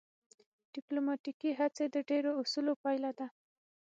ډیپلوماتیکې هڅې د ډیرو اصولو پایله ده